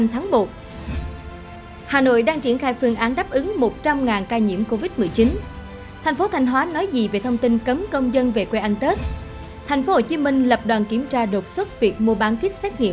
hãy đăng ký kênh để ủng hộ kênh của chúng mình nhé